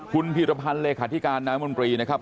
คุณพีรพันธ์เลขาธิการน้ำมนตรีนะครับ